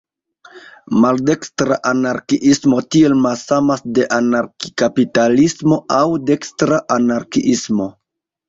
Maldekstra anarkiismo tiel malsamas de anarki-kapitalismo aŭ "dekstra" anarkiismo.